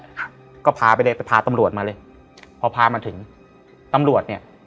ครับก็พาไปเลยไปพาตำรวจมาเลยพอพามาถึงตำรวจเนี้ย